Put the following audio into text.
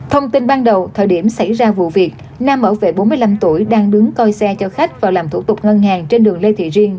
thông tin ban đầu thời điểm xảy ra vụ việc nam bảo vệ bốn mươi năm tuổi đang đứng coi xe cho khách vào làm thủ tục ngân hàng trên đường lê thị riêng